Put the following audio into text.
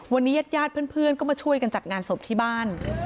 วันนี้ญาติญาติเพื่อนก็มาช่วยกันจัดงานศพที่บ้าน